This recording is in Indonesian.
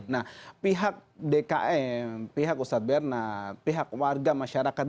nah pihak dkm pihak ustadz berna pihak warga masyarakat